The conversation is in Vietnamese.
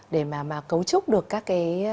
để mà cấu trúc được các cái